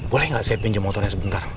boleh nggak saya pinjam motornya sebentar